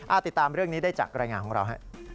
ติดตามเรื่องนี้ได้จากรายงานของเราฮะ